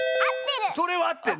あってる！